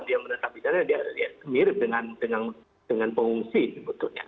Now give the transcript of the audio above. dia menetap di sana dia mirip dengan pengungsi sebetulnya